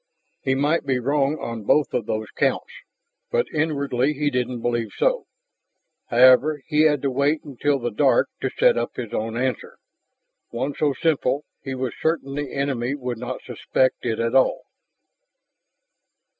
He might be wrong on both of those counts, but inwardly he didn't believe so. However, he had to wait until the dark to set up his own answer, one so simple he was certain the enemy would not suspect it at all.